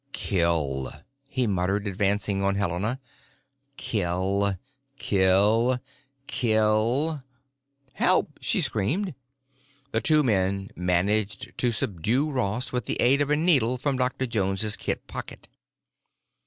"Kill," he muttered, advancing on Helena. "Kill, kill, kill——" "Help!" she screamed. The two men managed to subdue Ross with the aid of a needle from Dr. Jones's kit pocket.